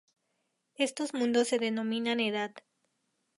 Estos mundos se denominan "Edad".